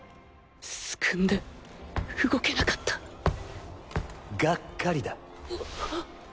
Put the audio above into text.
すくんで動けなかったがっかりだ。